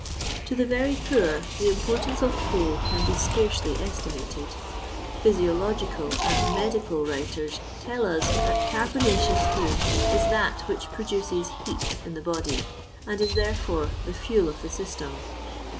To the very poor the importance of coal can be scarcely estimated. Physiological and medical writers tell us that carbonaceous food is that which produces heat in the body, and is therefore the fuel of the system.